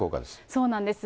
そうなんです。